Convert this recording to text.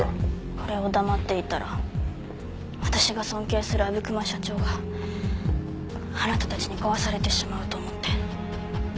これを黙っていたら私が尊敬する阿武隈社長があなたたちに壊されてしまうと思って。